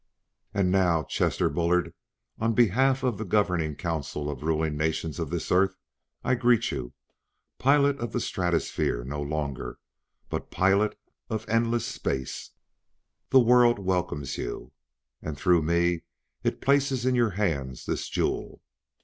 "And now, Chester Bullard, on behalf of the Governing Council of the Ruling Nations of this Earth, I greet you: Pilot of the Stratosphere no longer but Pilot of Endless Space! The world welcomes you; and, through me, it places in your hands this jewel.